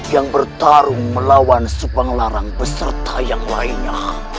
yang bertarung melawan subang larang beserta yang lainnya